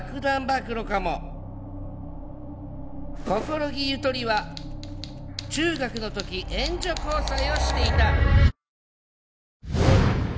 心木ゆとりは中学の時援助交際をしていた。